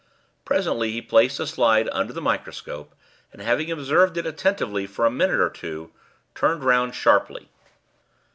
Presently he placed the slide under the microscope, and, having observed it attentively for a minute or two, turned round sharply.